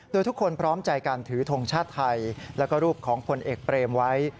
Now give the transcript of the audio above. โดยทุกคนพร้อมใจการถือทงชาติไทยแล้วก็รูปของผลเอกเปรมไว้